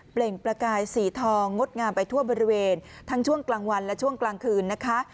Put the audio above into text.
ประกายสีทองงดงามไปทั่วบริเวณทั้งช่วงกลางวันและช่วงกลางคืนนะคะ